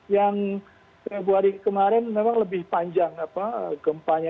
yang februari kemarin memang lebih panjang gempanya